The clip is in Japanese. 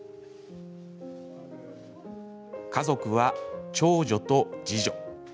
家族は長女と次女。